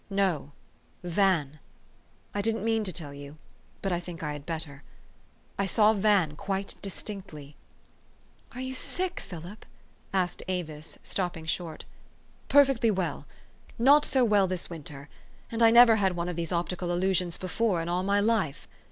" No Van. I didn't mean to tell you; but I think I had better. I saw Van quite distinctly." "Are you sick, Philip?" asked Avis, stopping short. THE STORY OF AVIS. 413 " Perfectly well. Not so well this winter, and I never had one of these optical illusions before in all my life.